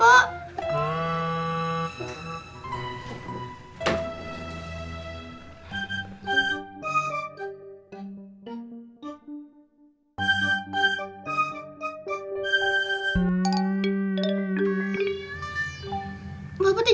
mbak butuh jalan ngintip